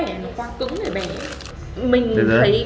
tầm nửa tiếng một mươi năm phút